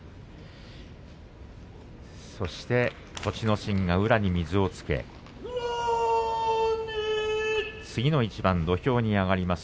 心が宇良に水をつけ次の一番、土俵に上がります。